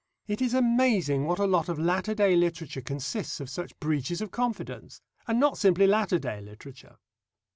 It is amazing what a lot of latter day literature consists of such breaches of confidence. And not simply latter day literature.